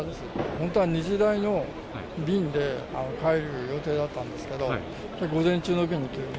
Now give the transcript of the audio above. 本当は２時台の便で帰る予定だったんですけど、午前中の便にかえた。